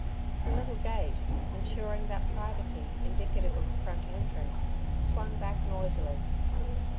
The little gate insuring that privacy indicative of a front entrance swung back noisily.